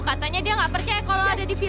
katanya dia gak percaya kalau lo ada di video